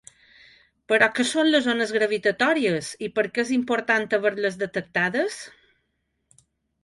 Però què són les ones gravitatòries, i per què és important haver-les detectades?